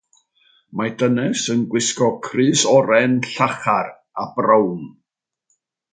Mae dynes yn gwisgo crys oren llachar a brown.